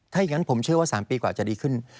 ถ้าอย่างนั้นผมเชื่อว่า๓ปีกว่าจะดีขึ้น